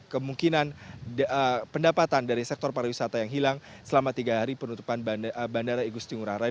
kemungkinan pendapatan dari sektor pariwisata yang hilang selama tiga hari penutupan bandara igusti ngurah rai